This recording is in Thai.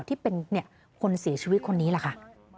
ที่เป็นคนเสียชีวิตคนนี้แหละค่ะ